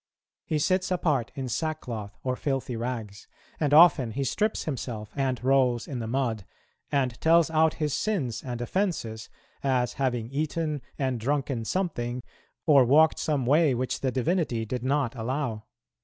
He sits apart in sackcloth or filthy rags; and often he strips himself and rolls in the mud, and tells out his sins and offences, as having eaten and drunken something, or walked some way which the divinity did not allow.